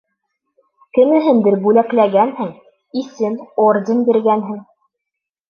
Кемеһендер бүләкләгәнһең, исем, орден биргәнһең.